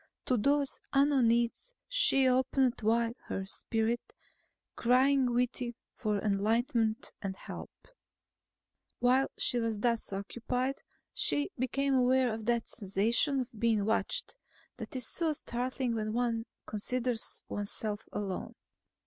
To those unknown needs she opened wide her spirit, crying within for enlightenment and help. While she was thus occupied, she became aware of that sensation of being watched that is so startling when one considers oneself alone.